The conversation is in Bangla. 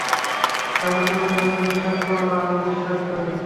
দাদা, তুমি ঠাকুর বিশ্বাস কর না, আমি বিশ্বাস করি।